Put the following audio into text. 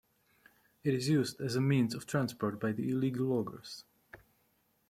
It is used as a means of transport by the illegal loggers.